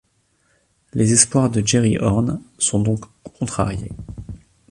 Les espoirs de Jerry Horn sont donc contrariés.